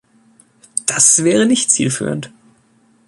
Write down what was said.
Das wäre nicht zielführend.